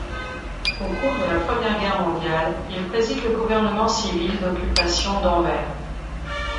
Au cours de la première Guerre mondiale, il préside le gouvernement civil d'occupation d'Anvers.